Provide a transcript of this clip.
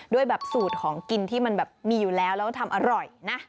ด้วยแบบสูตรของกินที่มันแบบมีอยู่แล้วแล้วทำอร่อยนะ